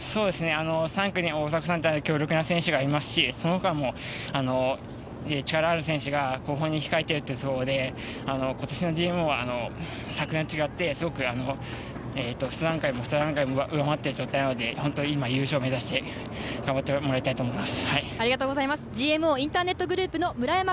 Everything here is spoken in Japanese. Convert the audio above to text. ３区に大迫さんという強力な選手がいますし、そのほかも力のある選手が後方に控えていますので今年のＧＭＯは昨年と違って１段階も２段階も上回っている状態なので、優勝を目指して頑張ってもらいたいと思います。